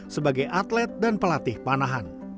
sebagai atlet dan pelatih panahan